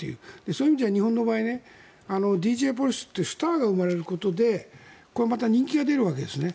そう意味じゃ、日本の場合ＤＪポリスってスターが生まれることでこれまた人気が出るわけですね。